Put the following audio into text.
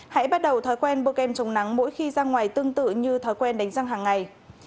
hãy bắt đầu thói quen bô kem trồng nắng mỗi khi ra ngoài tương tự như thói quen đánh răng hàng ngày